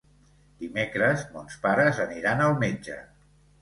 Dimecres mons pares aniran al metge.